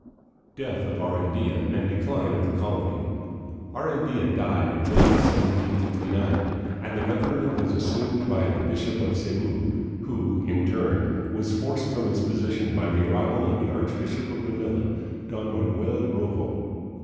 Death of Arandia and Decline of the Colony. Arandfa died in May, 1759, and the government was assumed by the bishop of Cebu, who in turn was forced from his position by the arrival of the archbishop of Manila, Don Manuel Rojo.